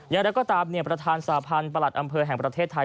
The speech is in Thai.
อย่างไรก็ตามประธานสาพันธ์ประหลัดอำเภอแห่งประเทศไทย